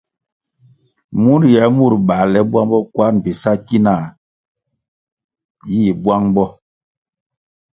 Mur yie mur bale bwang bo kwar bi sa ki na yih bwang bo.